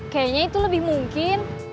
kayaknya itu lebih mungkin